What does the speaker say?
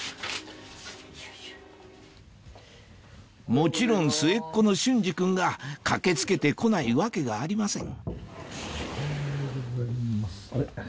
もちろん末っ子の隼司君が駆け付けて来ないわけがありません